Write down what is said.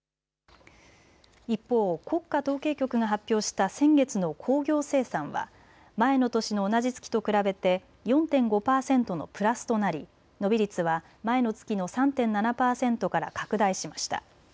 一方、国家統計局が発表した先月の工業生産は前の年の同じ月と比べて４．５％のプラスとなり伸び率は前の月の３．７％から拡大しました。